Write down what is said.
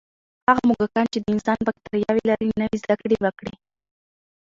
هغه موږکان چې د انسان بکتریاوې لري، نوې زده کړې وکړې.